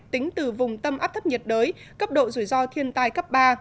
tính từ vùng tâm áp thấp nhiệt đới cấp độ rủi ro thiên tai cấp ba